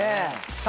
さあ